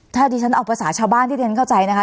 ถ้าที่ฉันออกภาษาชาวบ้านที่เดี๋ยวฉันเข้าใจนะคะ